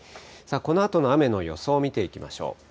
このあとの雨の予想見ていきましょう。